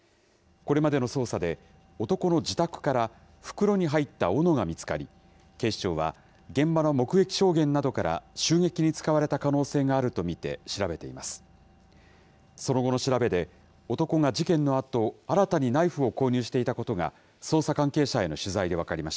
これまでの捜査で、男の自宅から、袋に入ったおのが見つかり、警視庁は、現場の目撃証言などから、襲撃に使われた可能性があると見て調べています。